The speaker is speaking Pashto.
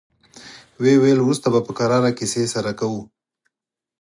ويې ويل: وروسته به په کراره کيسې سره کوو.